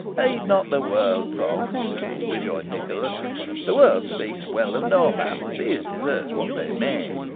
"Heed not the world, Fogg," rejoined Nicholas. "The world speaks well of no man, be his deserts what they may.